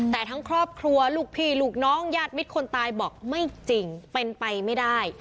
แต่ทั้งครอบครัวลูกพี่ลูกน้องญาติมิตรคนตายบอกไม่จริงเป็นไปไม่ได้